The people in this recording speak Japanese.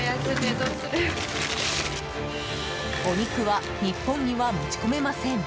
お肉は日本には持ち込めません。